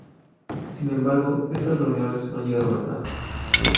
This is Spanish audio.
Sin embargo, estas reuniones no llegaron a nada.